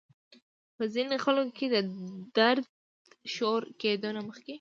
پۀ ځينې خلکو کې د درد شورو کېدو نه مخکې